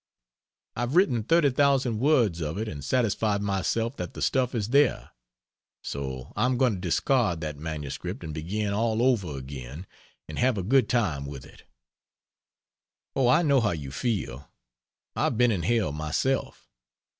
I've written 30,000 words of it and satisfied myself that the stuff is there; so I am going to discard that MS and begin all over again and have a good time with it. Oh, I know how you feel! I've been in hell myself.